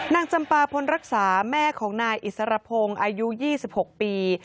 นางจำปาพลฤกษาแม่ของนายอิสระโพงอายุ๒๖ปี